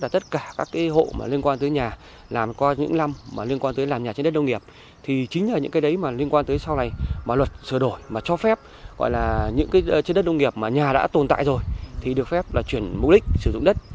tất cả các hộ liên quan tới nhà làm qua những năm liên quan tới làm nhà trên đất đông nghiệp thì chính là những cái đấy mà liên quan tới sau này mà luật sửa đổi mà cho phép gọi là những cái trên đất nông nghiệp mà nhà đã tồn tại rồi thì được phép là chuyển mục đích sử dụng đất